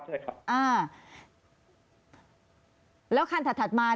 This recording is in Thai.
แล้วคันถัดมาได้ดูไหมคะว่ามันเป็นแบบไหน